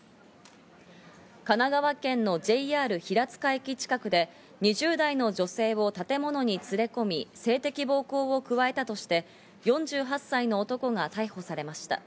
神奈川県のＪＲ平塚駅近くで２０代の女性を建物に連れ込み、性的暴行を加えたとして４８歳の男が逮捕されました。